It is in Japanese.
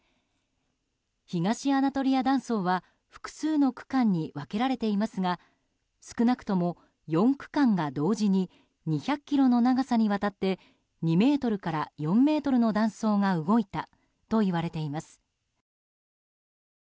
東アナトリア断層は複数の区間に分けられていますが少なくとも４区間が同時に２００ｋｍの長さにわたって２ｍから４ｍの断層が動いたといわれています。